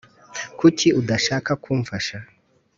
Kuki udashaka kumfasha